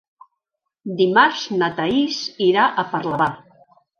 Dimarts na Thaís irà a Parlavà.